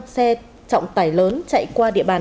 xe trọng tải lớn chạy qua địa bàn